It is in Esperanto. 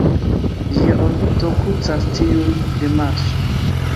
Ĝia orbito krucas tiujn de Marso.